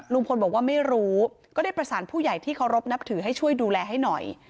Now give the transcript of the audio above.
ลุงพลบอกว่าไม่รู้ก็ได้ประสานผู้ใหญ่ที่เคารพนับถือให้ช่วยดูแลให้หน่อย